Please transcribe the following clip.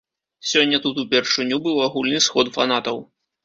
Сёння тут упершыню быў агульны сход фанатаў.